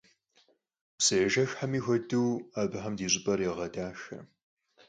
Psıêjjexxemi xuedeu, abıxem di ş'ıp'er yağedaxe.